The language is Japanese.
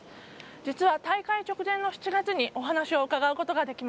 実は大会直前の７月にお話を伺うことができました。